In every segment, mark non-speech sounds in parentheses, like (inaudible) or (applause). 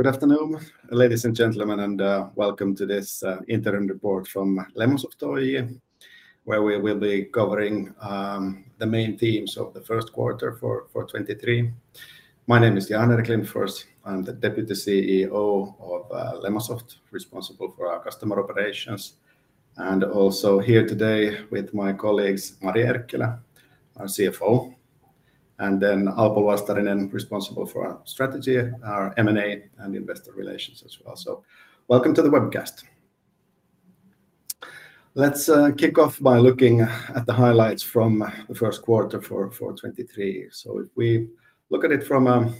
Good afternoon, ladies and gentlemen, welcome to this interim report from Lemonsoft Oyj, where we will be covering the main themes of the first quarter for 2023. My name is Jan-Erik Lindfors. I'm the Deputy CEO of Lemonsoft, responsible for our customer operations. Also here today with my colleagues, Mari Erkkilä, our CFO, and Alpo Luostarinen, responsible for our strategy, our M&A, and investor relations as well. Welcome to the webcast. Let's kick off by looking at the highlights from the first quarter for 2023. If we look at it from a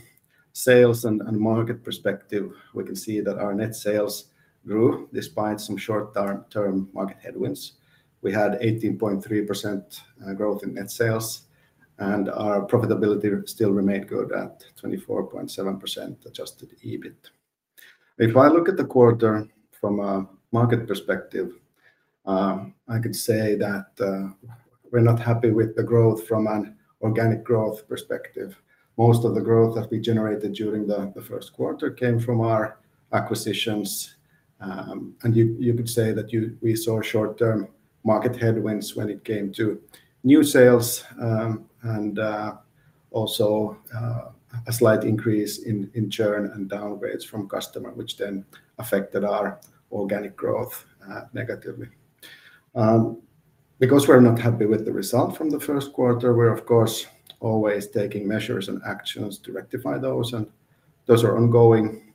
sales and market perspective, we can see that our net sales grew despite some short-term market headwinds. We had 18.3% growth in net sales, and our profitability still remained good at 24.7% adjusted EBIT. If I look at the quarter from a market perspective, I could say that we're not happy with the growth from an organic growth perspective. Most of the growth that we generated during the first quarter came from our acquisitions. You could say that we saw short-term market headwinds when it came to new sales, and also a slight increase in churn and downgrades from customer, which then affected our organic growth negatively. Because we're not happy with the result from the first quarter, we're of course always taking measures and actions to rectify those, and those are ongoing.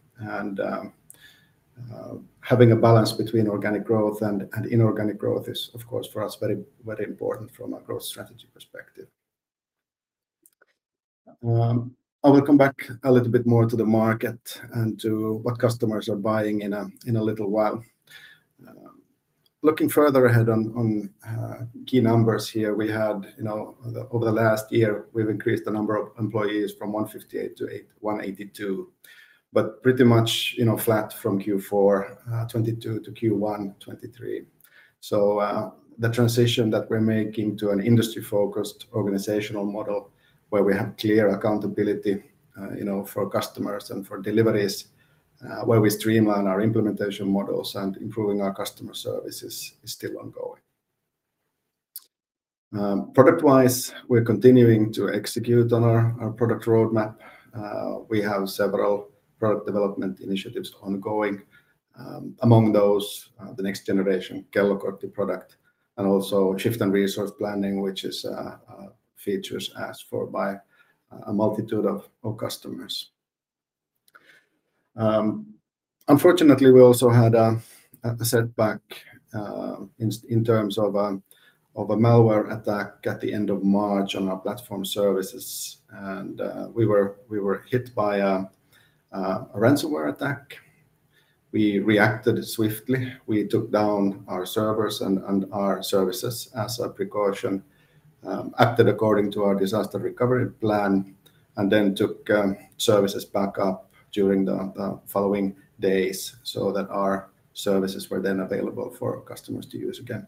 Having a balance between organic growth and inorganic growth is, of course, for us, very important from a growth strategy perspective. I will come back a little bit more to the market and to what customers are buying in a little while. Looking further ahead on key numbers here, we had, you know, over the last year, we've increased the number of employees from 158 to 182, but pretty much, you know, flat from Q4 2022 to Q1 2023. The transition that we're making to an industry-focused organizational model where we have clear accountability, you know, for customers and for deliveries, where we streamline our implementation models and improving our customer services is still ongoing. Product-wise, we're continuing to execute on our product roadmap. We have several product development initiatives ongoing. Among those, the next generation Kellokortti product and also shift and resource planning, which is features asked for by a multitude of customers. Unfortunately, we also had a setback in terms of a malware attack at the end of March on our platform services. We were hit by a ransomware attack. We reacted swiftly. We took down our servers and our services as a precaution, acted according to our disaster recovery plan, took services back up during the following days so that our services were then available for our customers to use again.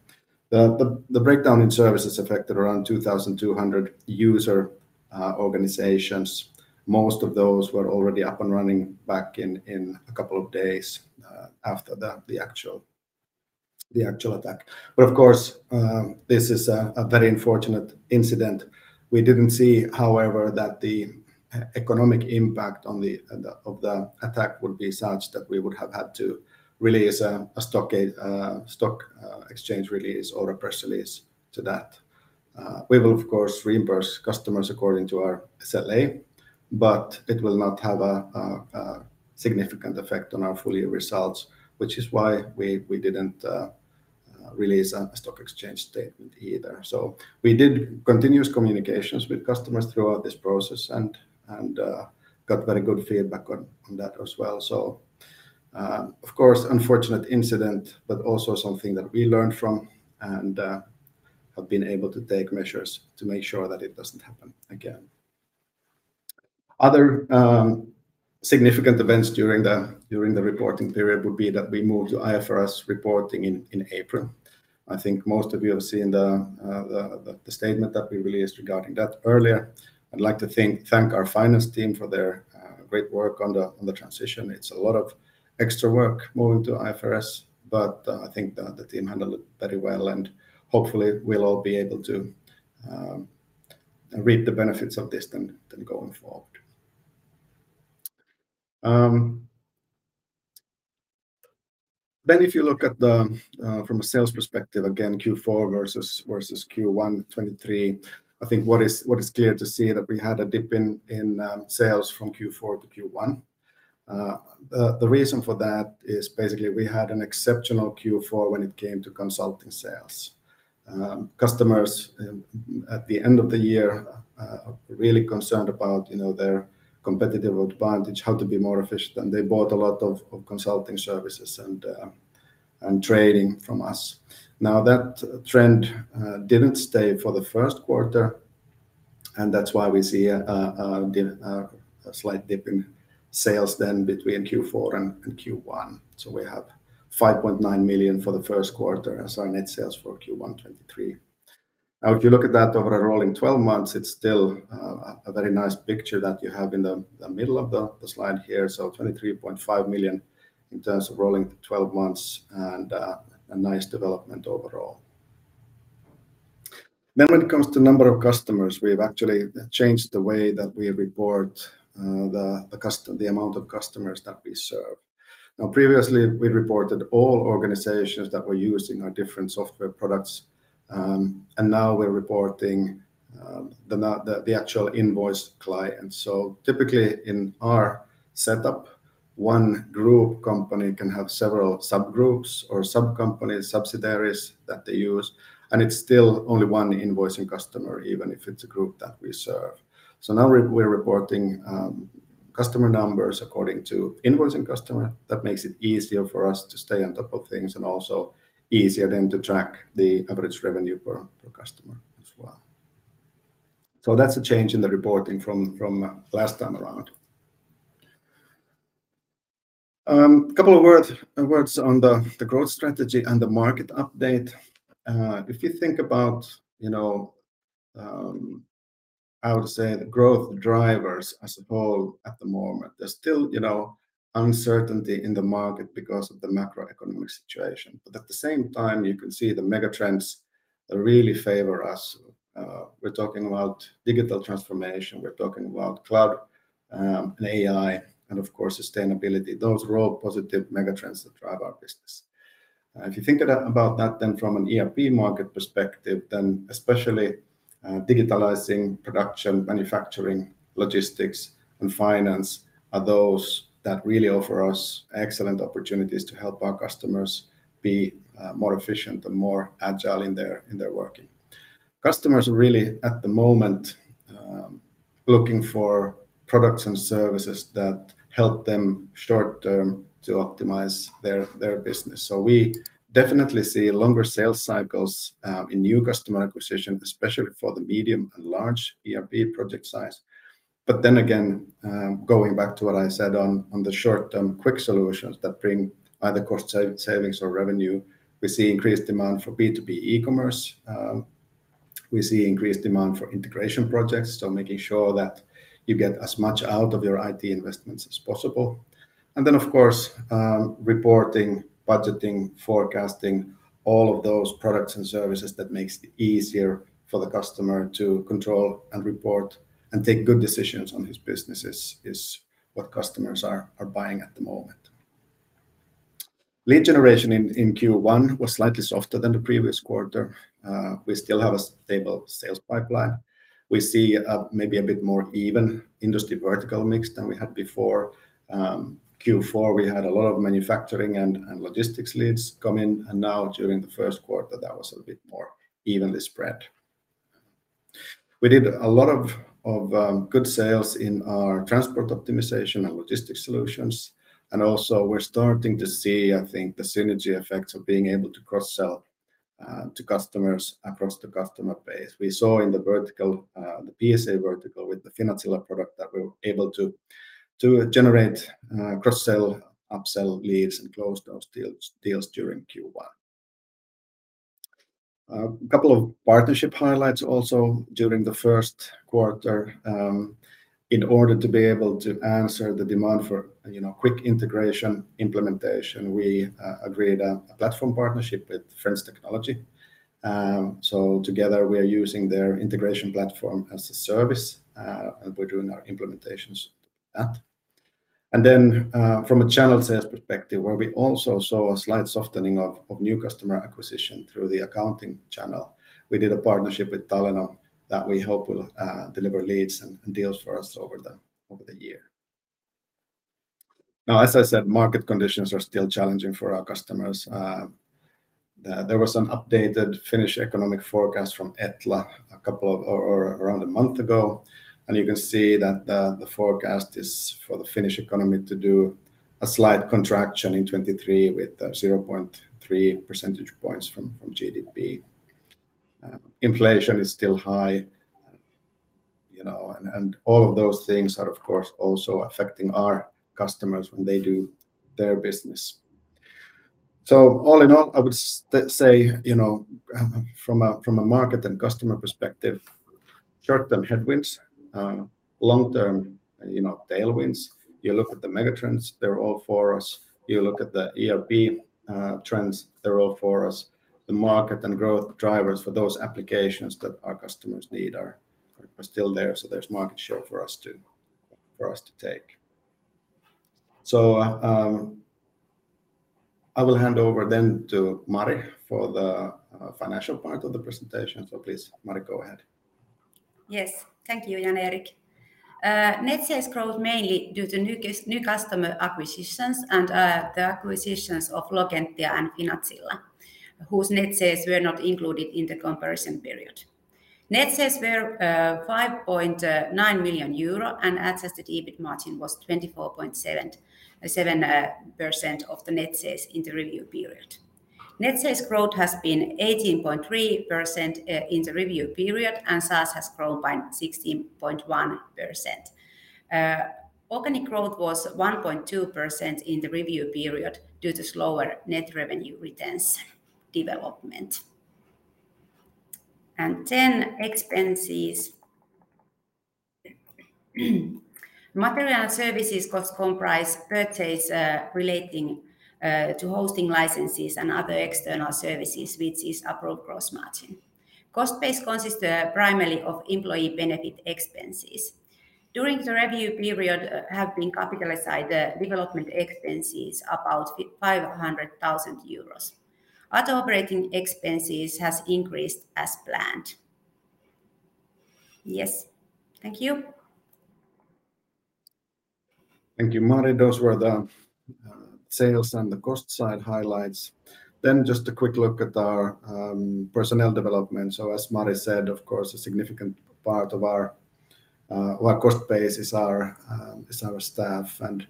The breakdown in services affected around 2,200 user organizations. Most of those were already up and running back in a couple of days after the actual attack. Of course, this is a very unfortunate incident. We didn't see, however, that the economic impact of the attack would be such that we would have had to release a stock exchange release or a press release to that. We will, of course, reimburse customers according to our SLA, but it will not have a significant effect on our full year results, which is why we didn't release a stock exchange statement either. We did continuous communications with customers throughout this process and got very good feedback on that as well. Of course, unfortunate incident, but also something that we learned from and have been able to take measures to make sure that it doesn't happen again. Other significant events during the reporting period would be that we moved to IFRS reporting in April. I think most of you have seen the statement that we released regarding that earlier. I'd like to thank our finance team for their great work on the transition. It's a lot of extra work moving to IFRS, but I think the team handled it very well, and hopefully we'll all be able to reap the benefits of this then going forward. If you look at the from a sales perspective, again, Q4 versus Q1 2023, I think what is clear to see that we had a dip in sales from Q4 to Q1. The reason for that is basically we had an exceptional Q4 when it came to consulting sales. Customers at the end of the year, really concerned about, you know, their competitive advantage, how to be more efficient, and they bought a lot of consulting services and training from us. That trend didn't stay for the first quarter, and that's why we see a slight dip in sales then between Q4 and Q1. We have 5.9 million for the first quarter as our net sales for Q1 2023. If you look at that over a rolling twelve months, it's still a very nice picture that you have in the middle of the slide here. 23.5 million in terms of rolling twelve months and a nice development overall. When it comes to number of customers, we've actually changed the way that we report the amount of customers that we serve. Previously, we reported all organizations that were using our different software products. Now we're reporting the actual invoiced clients. Typically in our setup, one group company can have several subgroups or sub-companies, subsidiaries that they use, and it's still only one invoicing customer, even if it's a group that we serve. Now we're reporting customer numbers according to invoicing customer. That makes it easier for us to stay on top of things and also easier then to track the average revenue per customer as well. That's a change in the reporting from last time around. Couple of words on the growth strategy and the market update. If you think about, you know, how to say the growth drivers as a whole at the moment, there's still, you know, uncertainty in the market because of the macroeconomic situation. At the same time, you can see the megatrends that really favor us. We're talking about digital transformation, we're talking about cloud, and AI and of course, sustainability. Those raw positive megatrends that drive our business. If you think about that from an ERP market perspective, especially, digitalizing production, manufacturing, logistics and finance are those that really offer us excellent opportunities to help our customers be more efficient and more agile in their working. Customers are really at the moment looking for products and services that help them short-term to optimize their business. We definitely see longer sales cycles in new customer acquisition, especially for the medium and large ERP project size. Going back to what I said on the short-term quick solutions that bring either cost savings or revenue, we see increased demand for B2B e-commerce. We see increased demand for integration projects, so making sure that you get as much out of your IT investments as possible. Of course, reporting, budgeting, forecasting, all of those products and services that makes it easier for the customer to control and report and take good decisions on his businesses is what customers are buying at the moment. Lead generation in Q1 was slightly softer than the previous quarter. We still have a stable sales pipeline. We see maybe a bit more even industry vertical mix than we had before. Q4, we had a lot of manufacturing and logistics leads come in, and now during the first quarter, that was a bit more evenly spread. We did a lot of good sales in our transport optimization and logistics solutions, and also we're starting to see, I think the synergy effects of being able to cross-sell to customers across the customer base. We saw in the vertical, the PSA vertical with the Finazilla product that we were able to generate cross-sell, upsell leads and close those deals during Q1. A couple of partnership highlights also during the first quarter. In order to be able to answer the demand for, you know, quick integration implementation, we agreed a platform partnership with Frends Technology. Together we are using their integration platform as a service, and we're doing our implementations at. From a channel sales perspective where we also saw a slight softening of new customer acquisition through the accounting channel, we did a partnership with Talenom that we hope will deliver leads and deals for us over the year. As I said, market conditions are still challenging for our customers. There was an updated Finnish economic forecast from ETLA a couple of or around a month ago, and you can see that the forecast is for the Finnish economy to do a slight contraction in 2023 with 0.3 percentage points from GDP. Inflation is still high, you know, and all of those things are of course also affecting our customers when they do their business. All in all, I would say, you know, from a market and customer perspective, short-term headwinds, long-term, you know, tailwinds. You look at the megatrends, they're all for us. You look at the ERP trends, they're all for us. The market and growth drivers for those applications that our customers need are still there, so there's market share for us to take. I will hand over then to Mari for the financial part of the presentation. Please, Mari, go ahead. Yes. Thank you Jan-Erik. Net sales growth mainly due to new customer acquisitions and the acquisitions of Logentia and Finazilla, whose net sales were not included in the comparison period. Net sales were 5.9 million euro and adjusted EBIT margin was 24.7% of the net sales in the review period. Net sales growth has been 18.3% in the review period, and SaaS has grown by 16.1%. Organic growth was 1.2% in the review period due to slower net revenue retention development. Then expenses. Material services cost comprise purchase relating to hosting licenses and other external services, which is approved gross margin. Cost base consists primarily of employee benefit expenses. During the review period, have been capitalized the development expenses about 500,000 euros. Other operating expenses has increased as planned. Yes, thank you. Thank you, Mari. Those were the sales and the cost side highlights. Just a quick look at our personnel development. As Mari said, of course, a significant part of our cost base is our staff, and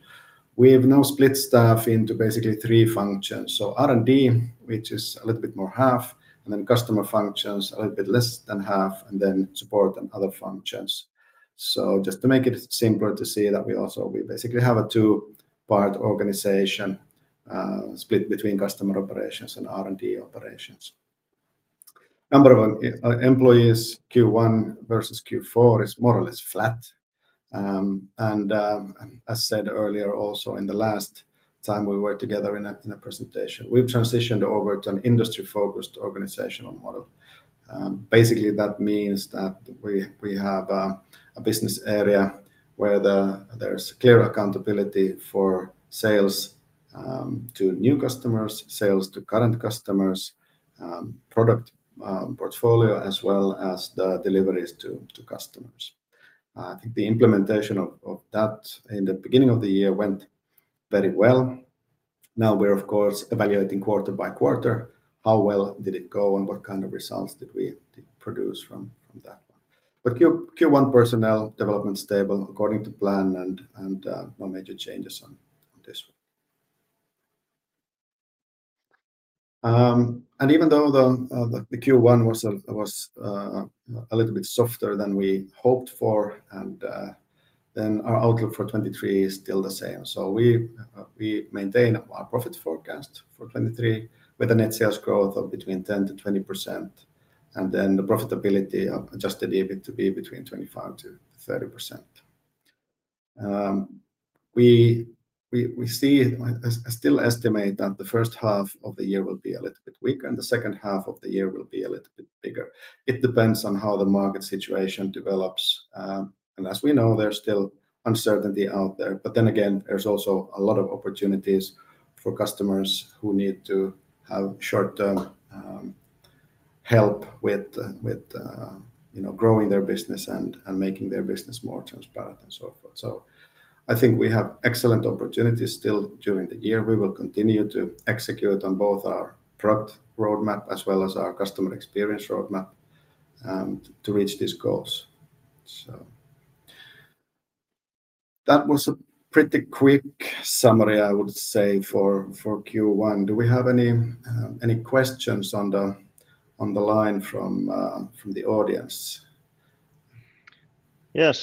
we have now split staff into basically three functions. R&D, which is a little bit more half, and customer functions a little bit less than half, and support and other functions. Just to make it simpler to see that we basically have a two-part organization, split between customer operations and R&D operations. Number of employees Q1 versus Q4 is more or less flat. As said earlier also in the last time we were together in a presentation, we've transitioned over to an industry-focused organizational model. Basically that means that we have a business area where there's clear accountability for sales to new customers, sales to current customers, product portfolio, as well as the deliveries to customers. I think the implementation of that in the beginning of the year went very well. Now we're of course evaluating quarter-by-quarter how well did it go and what kind of results did we produce from that one. Q1 personnel development stable according to plan and no major changes on this one. Even though the Q1 was a little bit softer than we hoped for, our outlook for 2023 is still the same. We maintain our profit forecast for 2023 with a net sales growth of between 10%-20%, and then the profitability of adjusted EBIT to be between 25%-30%. We see—I still estimate that the first half of the year will be a little bit weaker and the second half of the year will be a little bit bigger. As we know, there's still uncertainty out there. Again, there's also a lot of opportunities for customers who need to have short-term help with, you know, growing their business and making their business more transparent and so forth. I think we have excellent opportunities still during the year. We will continue to execute on both our product roadmap as well as our customer experience roadmap to reach these goals. That was a pretty quick summary, I would say, for Q1. Do we have any questions on the line from the audience? Yeah.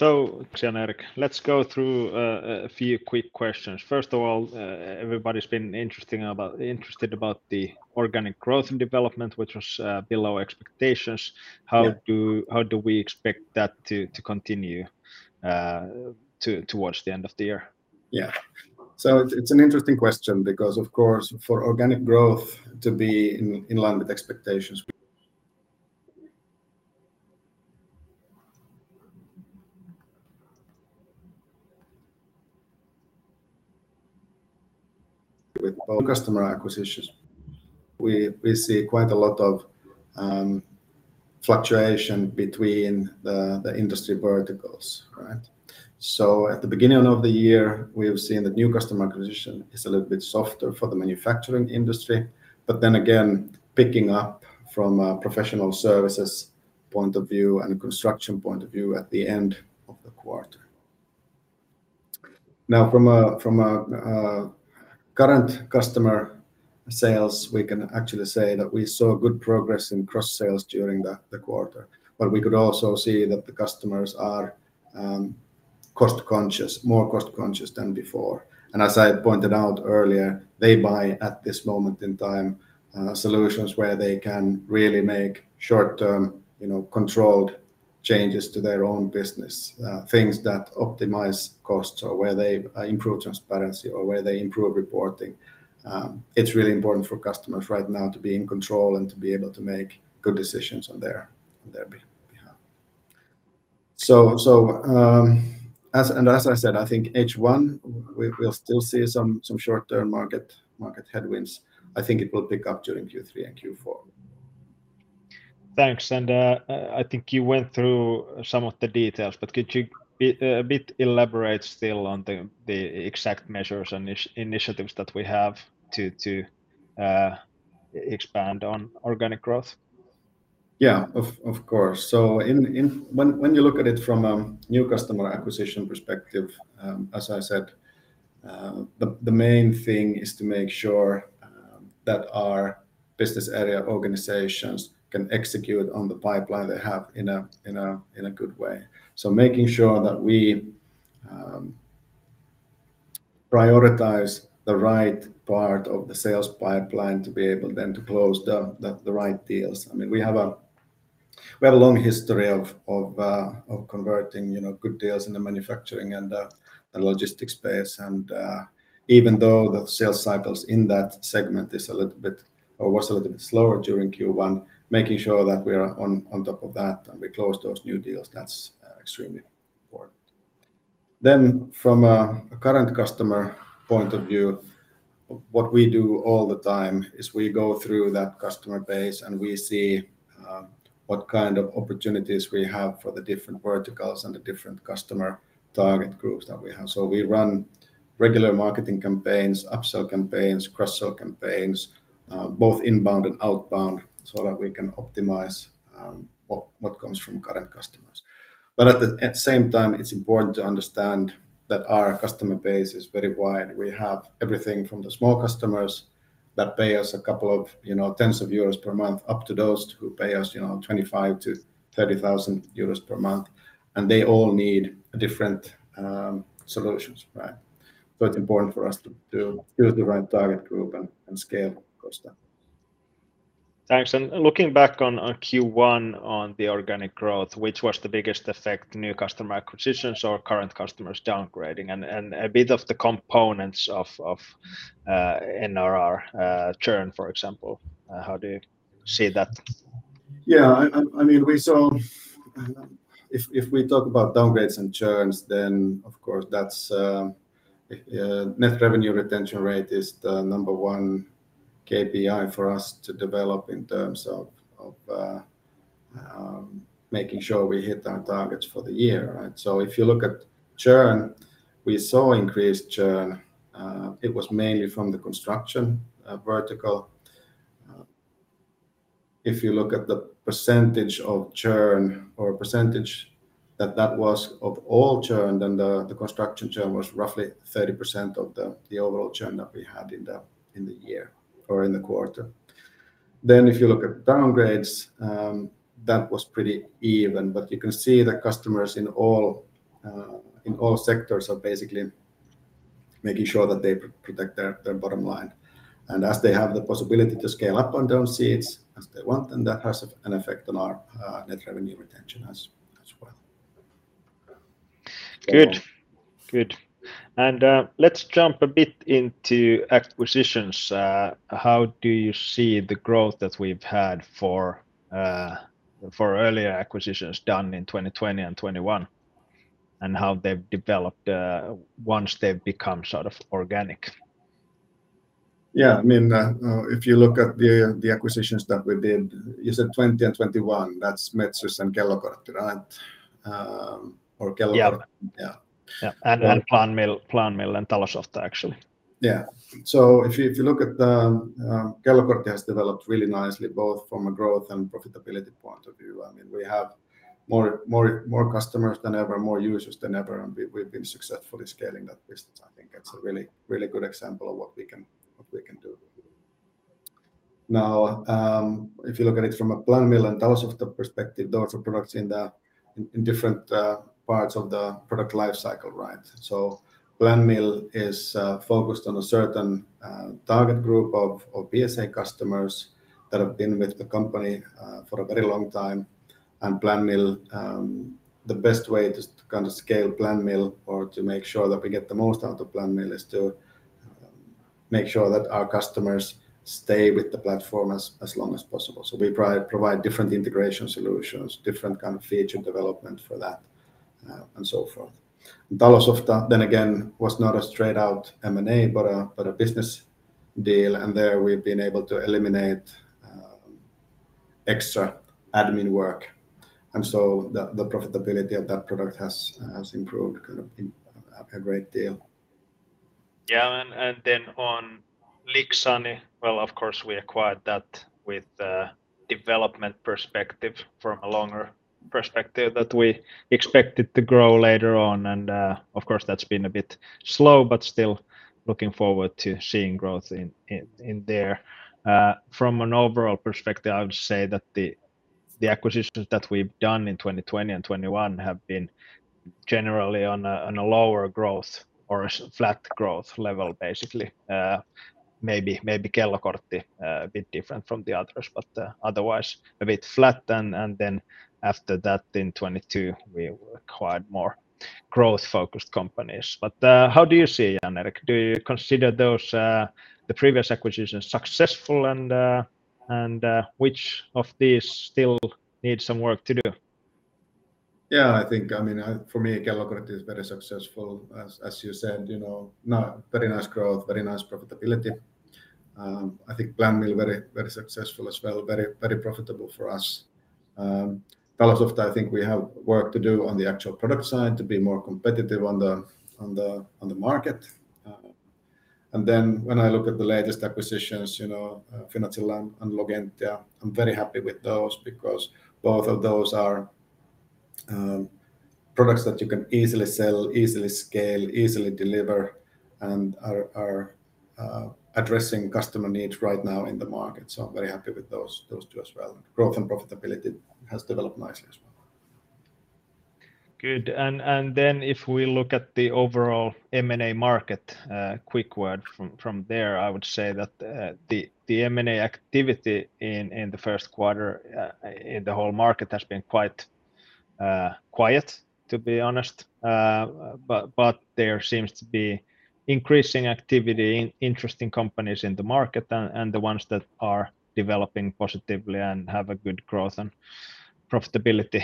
Let's go through a few quick questions. First of all, everybody's been interested about the organic growth and development, which was below expectations. How do we expect that to continue towards the end of the year? It's an interesting question because of course for organic growth to be in line with expectations with both customer acquisitions, we see quite a lot of fluctuation between the industry verticals, right? At the beginning of the year, we have seen the new customer acquisition is a little bit softer for the manufacturing industry, but then again, picking up from a professional services point of view and construction point of view at the end of the quarter. From a current customer sales, we can actually say that we saw good progress in cross-sales during the quarter. We could also see that the customers are cost-conscious, more cost-conscious than before, and as I pointed out earlier, they buy at this moment in time solutions where they can really make short-term, you know, controlled changes to their own business, things that optimize costs or where they improve transparency or where they improve reporting. It's really important for customers right now to be in control and to be able to make good decisions on their behalf. As I said, I think H1 we'll still see some short-term market headwinds. I think it will pick up during Q3 and Q4. Thanks. I think you went through some of the details, but could you be bit elaborate still on the exact measures and initiatives that we have to expand on organic growth? Yeah, of course. When you look at it from a new customer acquisition perspective, as I said, the main thing is to make sure that our business area organizations can execute on the pipeline they have in a good way. Making sure that we prioritize the right part of the sales pipeline to be able then to close the right deals. I mean, we have a long history of converting, you know, good deals in the manufacturing and the logistics space and even though the sales cycles in that segment is a little bit or was a little bit slower during Q1, making sure that we are on top of that and we close those new deals, that's extremely important. From a current customer point of view, what we do all the time is we go through that customer base and we see what kind of opportunities we have for the different verticals and the different customer target groups that we have. We run regular marketing campaigns, upsell campaigns, cross-sell campaigns, both inbound and outbound, so that we can optimize what comes from current customers. At the same time, it's important to understand that our customer base is very wide. We have everything from the small customers that pay us a couple of, you know, 10s of euros per month, up to those who pay us, you know, 25,000-30,000 euros per month, and they all need different solutions, right? It's important for us to build the right target group and scale across that. Thanks. Looking back on Q1 on the organic growth, which was the biggest effect, new customer acquisitions or current customers downgrading? A bit of the components of NRR, churn, for example. How do you see that? I mean, we saw—if we talk about downgrades and churns, of course that's net revenue retention rate is the number one KPI for us to develop in terms of making sure we hit our targets for the year, right? If you look at churn, we saw increased churn. It was mainly from the construction vertical. If you look at the percentage of churn or percentage that was of all churn, the construction churn was roughly 30% of the overall churn that we had in the year or in the quarter. If you look at downgrades, that was pretty even, but you can see the customers in all sectors are basically making sure that they protect their bottom line. As they have the possibility to scale up on those seats as they want, then that has an effect on our net revenue retention as well. Yeah. Good. Good. Let's jump a bit into acquisitions. How do you see the growth that we've had for earlier acquisitions done in 2020 and 2021, and how they've developed, once they've become sort of organic? Yeah. I mean, if you look at the acquisitions that we did, you said 2020 and 2021, that's Metsys and Kellokortti, right? Or Kellokortti— Yeah. Yeah. Yeah. PlanMill and Talosofta, actually. If you, if you look at the Kellokortti has developed really nicely both from a growth and profitability point of view. I mean, we have more customers than ever, more users than ever, and we've been successfully scaling that business. I think it's a really good example of what we can do. If you look at it from a PlanMill and Talosofta perspective, those are products in different parts of the product life cycle, right? PlanMill is focused on a certain target group of PSA customers that have been with the company for a very long time. Planmill, the best way to kind of scale Planmill or to make sure that we get the most out of Planmill is to make sure that our customers stay with the platform as long as possible. We provide different integration solutions, different kind of feature development for that, and so forth. Talosofta was not a straight out M&A, but a business deal, and there we've been able to eliminate extra admin work, and so the profitability of that product has improved kind of in a great deal. Yeah. Then on Lixani, well, of course we acquired that with a development perspective from a longer perspective that we expect it to grow later on. Of course that's been a bit slow, but still looking forward to seeing growth in there. From an overall perspective, I would say that the acquisitions that we've done in 2020 and 2021 have been generally on a lower growth or a flat growth level, basically. Maybe Kellokortti a bit different from the others, but otherwise a bit flat. Then after that in 2022, we acquired more growth-focused companies. How do you see it, Jan-Erik? Do you consider those the previous acquisitions successful and which of these still need some work to do? I think, I mean, For me, Kellokortti is very successful, as you said. You know, very nice growth, very nice profitability. I think PlanMill very successful as well, very profitable for us. Talosofta, I think we have work to do on the actual product side to be more competitive on the market. When I look at the latest acquisitions, you know, Finazilla and Logentia, I'm very happy with those because both of those are products that you can easily sell, easily scale, easily deliver, and are addressing customer needs right now in the market. I'm very happy with those two as well. Growth and profitability has developed nicely as well. Good. Then if we look at the overall M&A market, quick word from there, I would say that the M&A activity in the first quarter in the whole market has been quite quiet, to be honest. There seems to be increasing activity in interesting companies in the market and the ones that are developing positively and have a good growth and profitability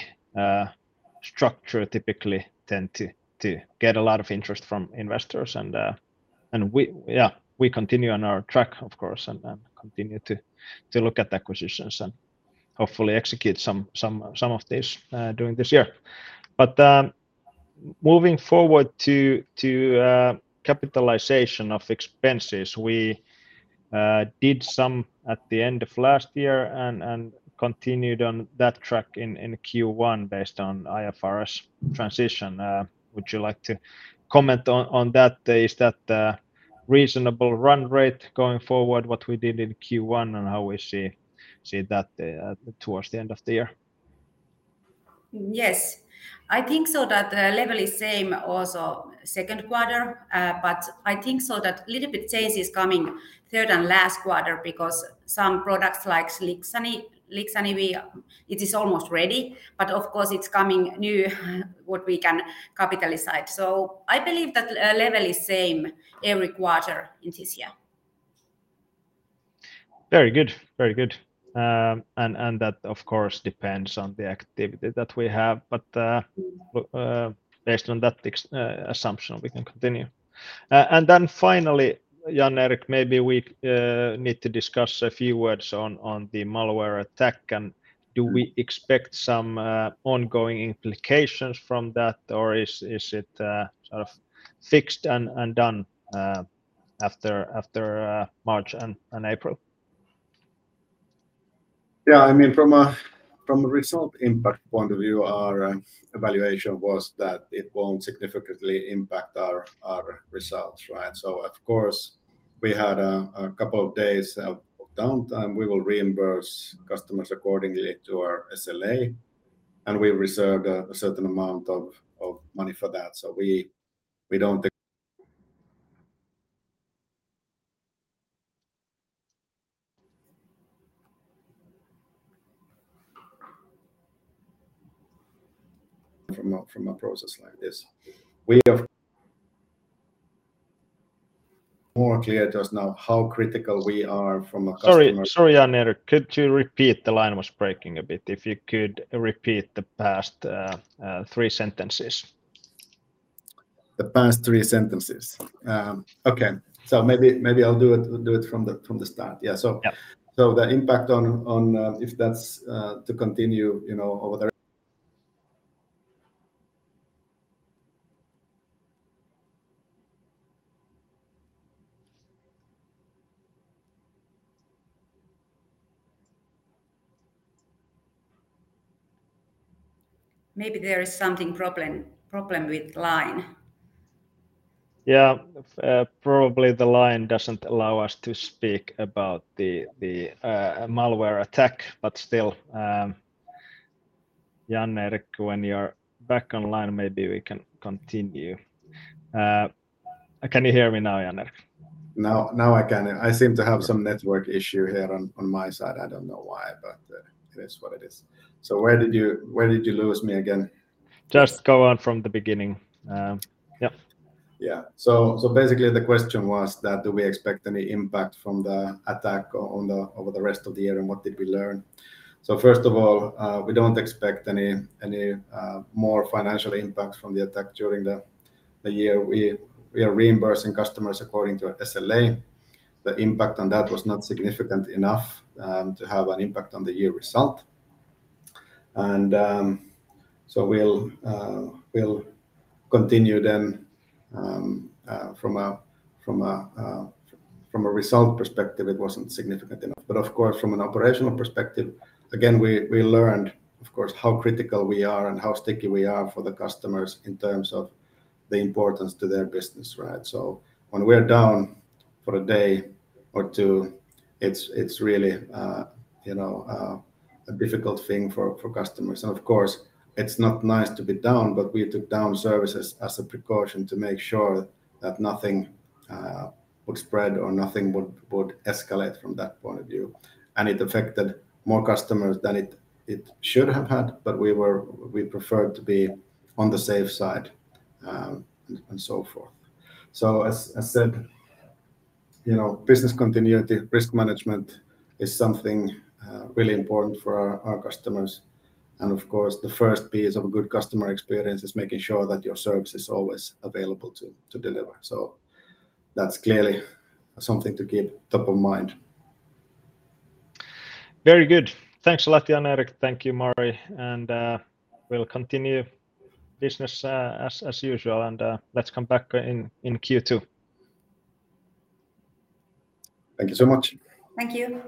structure typically tend to get a lot of interest from investors. We continue on our track, of course, and continue to look at acquisitions and hopefully execute some of these during this year. Moving forward to capitalization of expenses, we did some at the end of last year and continued on that track in Q1 based on IFRS transition. Would you like to comment on that? Is that a reasonable run rate going forward, what we did in Q1, and how we see that towards the end of the year? Yes. I think so that the level is same also second quarter. I think so that little bit change is coming third and last quarter because some products like Lixani, we, it is almost ready, but of course it's coming new what we can capitalize. I believe that level is same every quarter in this year. Very good. Very good. That of course depends on the activity that we have. Based on that assumption, we can continue. Finally, Jan-Erik, maybe we need to discuss a few words on the malware attack, and do we expect some ongoing implications from that, or is it sort of fixed and done after March and April? Yeah. I mean, from a result impact point of view, our evaluation was that it won't significantly impact our results, right? Of course, we had a couple of days of downtime. We will reimburse customers accordingly to our SLA, and we reserved a certain amount of money for that. We don't think (inaudible) from a process like this. We have (inaudible) more clear to us now how critical we are from a customer— Sorry, Jan-Erik. Could you repeat? The line was breaking a bit. If you could repeat the past three sentences. The past three sentences. okay. Maybe I'll do it from the start. Yeah. Yeah. So the impact on, if that's to continue, you know, over there. (inaudible) Maybe there is something problem with line. Yeah. probably the line doesn't allow us to speak about the, malware attack. Still, Jan-Erik, when you're back online, maybe we can continue. Can you hear me now, Jan-Erik? Now I can. I seem to have some network issue here on my side. I don't know why, but it is what it is. Where did you lose me again? Just go on from the beginning. Yeah. Yeah. Basically, the question was that do we expect any impact from the attack on the, over the rest of the year, and what did we learn? First of all, we don't expect any more financial impact from the attack during the year. We are reimbursing customers according to SLA. The impact on that was not significant enough to have an impact on the year result. We'll continue then from a result perspective, it wasn't significant enough. Of course, from an operational perspective, again, we learned of course how critical we are and how sticky we are for the customers in terms of the importance to their business, right? When we're down for a day or two, it's really, you know, a difficult thing for customers. Of course, it's not nice to be down, but we took down services as a precaution to make sure that nothing would spread or nothing would escalate from that point of view. It affected more customers than it should have had, but we preferred to be on the safe side, and so forth. As said, you know, business continuity, risk management is something really important for our customers. Of course, the first piece of a good customer experience is making sure that your service is always available to deliver. That's clearly something to keep top of mind. Very good. Thanks a lot, Jan-Erik. Thank you, Mari. We'll continue business as usual, and let's come back in Q2. Thank you so much. Thank you.